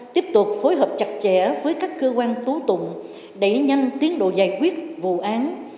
tiếp tục phối hợp chặt chẽ với các cơ quan tố tụng đẩy nhanh tiến độ giải quyết vụ án